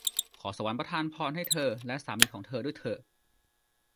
ขอสวรรค์ประทานพรให้เธอและสามีของเธอด้วยเถอะ !